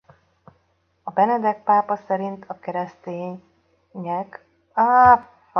Benedek pápa szerint a keresztények a leginkább üldözött vallási közösség a kortárs világban.